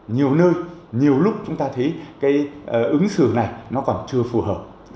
nhiều nơi nhiều lúc chúng ta thấy cái ứng xử này nó còn chưa phù hợp